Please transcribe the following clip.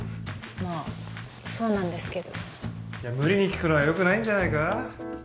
まあそうなんですけど無理に聞くのはよくないんじゃないか？